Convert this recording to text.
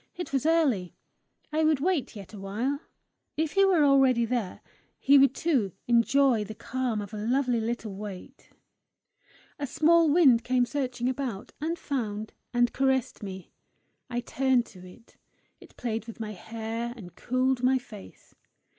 It was early; I would wait yet a while! If he were already there, he too would enjoy the calm of a lovely little wait. A small wind came searching about, and found, and caressed me. I turned to it; it played with my hair, and cooled my face.